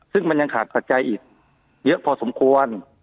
ซึ่งมันยังขาดปัจจัยอีกเยอะพอสมควร